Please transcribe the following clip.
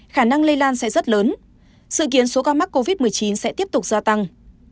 khả năng lây lan sẽ rất lớn sự kiến số ca mắc covid một mươi chín sẽ tiếp tục gia tăng